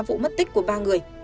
vụ mất tích của ba người